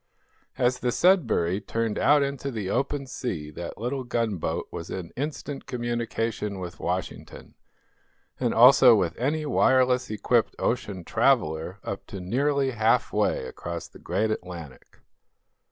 As the "Sudbury" turned out into the open sea that little gunboat was in instant communication with Washington, and also with any wireless equipped ocean traveler up to nearly half way across the great Atlantic.